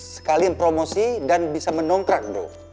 sekalian promosi dan bisa menongkrak dong